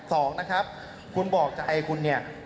สองนะครับคุณบอกใจคุณเนี่ย